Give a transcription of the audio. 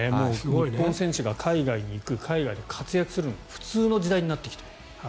日本選手が海外に行く海外で活躍するのが普通の時代になってきている。